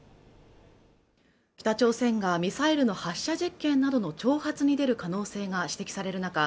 北朝鮮がミサイルの発射実験などの挑発に出る可能性が指摘される中